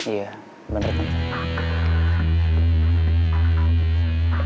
iya bener tante